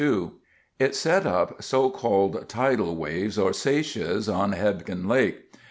It set up so called tidal waves, or seiches, on Hebgen Lake.